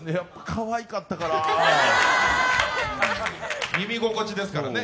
かわいかったから耳心地ですからね。